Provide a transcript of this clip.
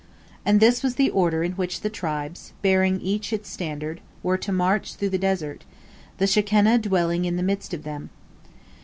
And this was the order in which the tribes, bearing each its standard, were to march through the desert, the Shekinah dwelling in the midst of them.